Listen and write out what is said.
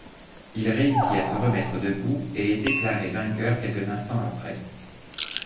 Il réussit à se remettre debout et est déclaré vainqueur quelques instants après.